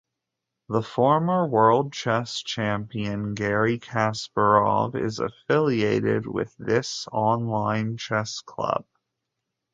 The former World Chess Champion Garry Kasparov is affiliated with this online chess club.